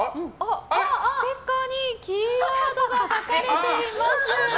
ステッカーにキーワードが書かれています。